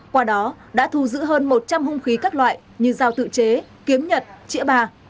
qua đó đã thu giữ hơn một trăm linh hung khí các loại như giao tự chế kiếm nhật trĩa bà